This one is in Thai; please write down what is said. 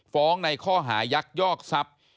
ฟ้องในข้อหายักษ์ยอกทรัพย์